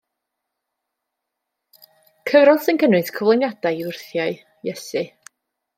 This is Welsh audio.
Cyfrol sy'n cynnwys cyflwyniadau i wyrthiau Iesu.